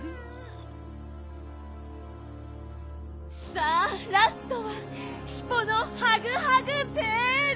さあラストはヒポのハグハグヴェール！